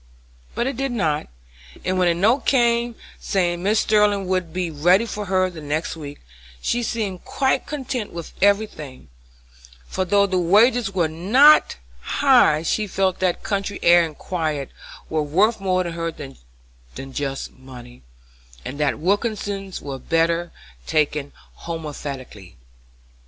But it did not, and when a note came saying Mrs. Sterling would be ready for her the next week, she seemed quite content with every thing, for though the wages were not high she felt that country air and quiet were worth more to her just then than money, and that Wilkinses were better taken homoeopathically.